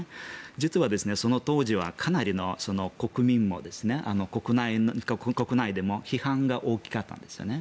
実はその当時はかなりの国民も国内でも批判が大きかったんですよね。